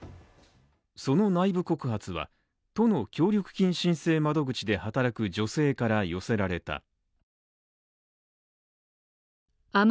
その内部告発は、都の協力金申請窓口で働く女性から寄せられた。